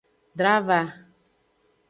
Drava.